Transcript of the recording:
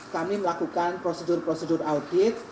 kami melakukan prosedur prosedur audit